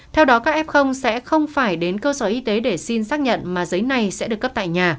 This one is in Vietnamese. theo đó các f sẽ không phải đến cơ sở y tế để xin xác nhận mà giấy này sẽ được cấp tại nhà